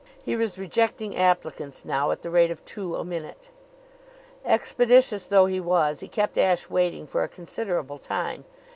He was rejecting applicants now at the rate of two a minute. Expeditious though he was, he kept Ashe waiting for a considerable time.